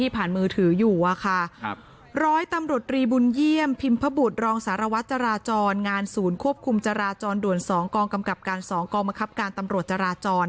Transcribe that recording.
ผีมทร์บุร้องศรวรรณ์จราจรงานศูนย์ควบคุมจราจรด่วน๒กองกำกับการ๒กองมาหับการตำรวจจราจร